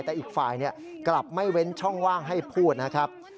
แต่อีกฝ่ายกลับไม่เว้นช่องว่างให้พูดนะครับ